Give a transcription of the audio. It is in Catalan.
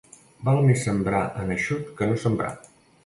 Val més sembrar en eixut que no sembrar.